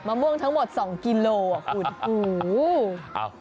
ม่วงทั้งหมด๒กิโลอ่ะคุณ